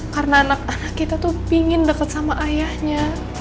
karena anak anak kita tuh pingin deket sama ayahnya